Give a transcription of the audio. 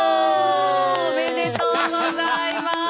おおめでとうございます。